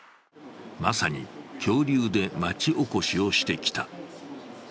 まさに恐竜で町おこしをしてきた。